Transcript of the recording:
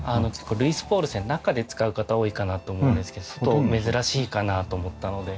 ルイスポールセン中で使う方多いかなと思うんですけど外珍しいかなと思ったので。